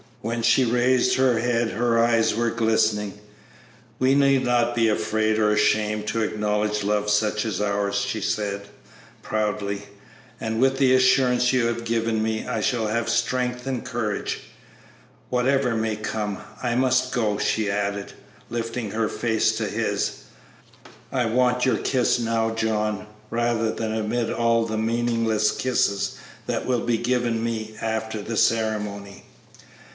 When she raised her head her eyes were glistening. "We need not be afraid or ashamed to acknowledge love such as ours," she said, proudly; "and with the assurance you have given me I shall have strength and courage, whatever may come. I must go," she added, lifting her face to his; "I want your kiss now, John, rather than amid all the meaningless kisses that will be given me after the ceremony."